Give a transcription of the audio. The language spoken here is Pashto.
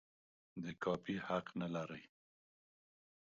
د کاپي حق نه لري.